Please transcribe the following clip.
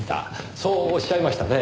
そうおっしゃいましたね？